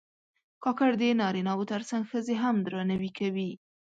کاکړ د نارینه و تر څنګ ښځې هم درناوي کوي.